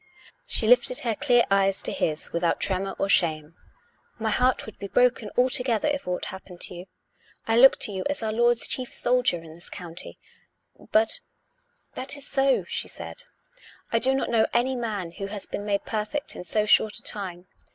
She lifted her clear eyes to his without tremor or shame. " My heart would be broken altogether if aught happened to you. I look to you as our Lord's chief soldier in this county." " But "" That is so," she said. " I do not know any man who has been made perfect in so short a time.